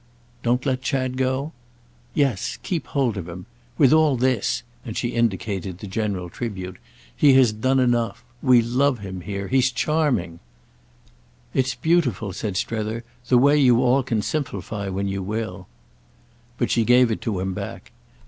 "Don't let Chad go?" "Yes, keep hold of him. With all this"—and she indicated the general tribute—"he has done enough. We love him here—he's charming." "It's beautiful," said Strether, "the way you all can simplify when you will." But she gave it to him back.